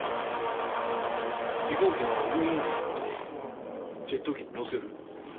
飛行機の部品作ってジェット機に載せる。